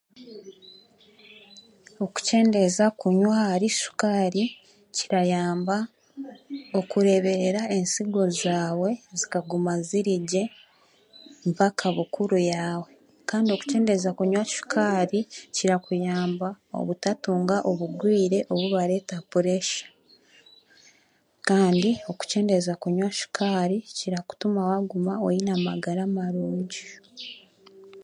Okukyendeeza kunywa ahari shukaari kirayamba okureberera ensigo zaawe zikaguma zirigye mpaka bukuru yaawe kandi okukyendeza kunywa sukaari kirakuyamba obutatunga obugwire obu bareeta puresha kandi okukyendeza kunywa sukari kiratuma waguma oyine amagara marungi.